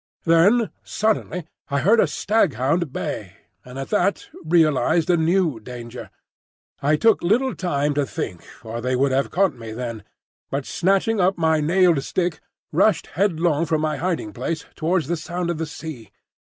Then suddenly I heard a staghound bay, and at that realised a new danger. I took little time to think, or they would have caught me then, but snatching up my nailed stick, rushed headlong from my hiding place towards the sound of the sea.